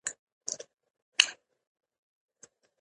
پښتانه مشران تل د احمدشاه بابا تر څنګ وو.